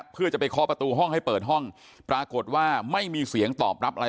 เพื่อจะไปเคาะประตูห้องให้เปิดห้องปรากฏว่าไม่มีเสียงตอบรับอะไร